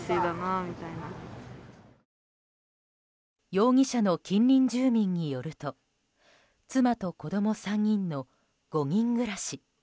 容疑者の近隣住民によると妻と子供３人の５人暮らし。